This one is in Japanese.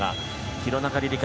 廣中璃梨佳